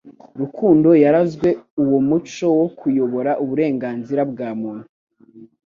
Rukundo yarazwe uwo muco wo kuyobora uburenganzira bwa muntu